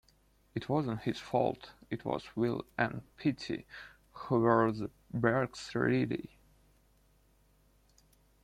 It wasn't his fault, it was Will and Pete who were the berks really.